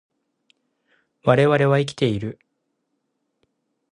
我々は生きている